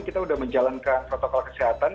kita sudah menjalankan protokol kesehatan